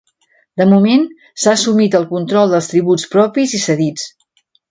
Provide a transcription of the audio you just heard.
De moment, s’ha assumit el control dels tributs propis i cedits.